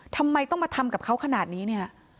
ทำไมต้องมาทำกับเขาขนาดนี้เนี่ย